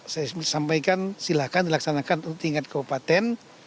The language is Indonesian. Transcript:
saya sampaikan silahkan dilaksanakan untuk tingkat kabupaten